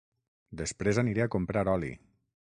Després aniré a comprar oli